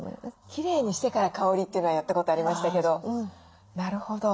きれいにしてから香りっていうのはやったことありましたけどなるほど。